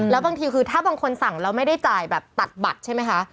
แล้วบางทีคือถ้าบางคนสั่งแล้วไม่ได้จ่ายแบบตัดบัตรใช่ไหมคะ